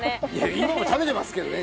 「今も食べてますけどね」